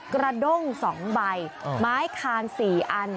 กระด้งสองใบไม้คานสี่อัน